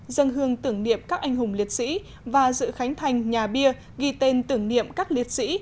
dân hương tưởng niệm các anh hùng liệt sĩ và dự khánh thành nhà bia ghi tên tưởng niệm các liệt sĩ